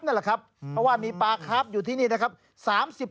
นั่นแหละครับเพราะว่ามีปลาคาร์ฟอยู่ที่นี่นะครับ